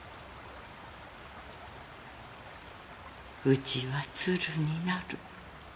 うちは鶴になる。